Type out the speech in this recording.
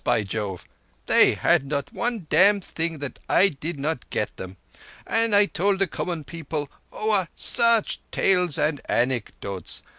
By Jove! they had not one dam' thing that I did not get them. And I told the common people—oah, such tales and anecdotes!